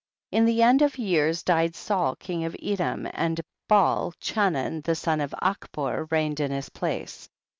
In the end of years died Saul king of Edom, and Baal Chanan the son of Achbor reigned in his place.